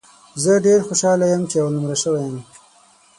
زه ډېر خوشاله یم ، چې اول نمره سوی یم